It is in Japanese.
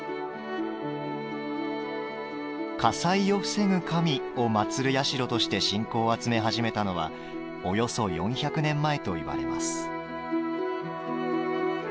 「火災を防ぐ神」を祭る社として信仰を集め始めたのはおよそ４００年前と言われます。